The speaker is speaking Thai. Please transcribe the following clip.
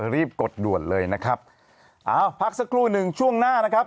กดด่วนเลยนะครับเอาพักสักครู่หนึ่งช่วงหน้านะครับ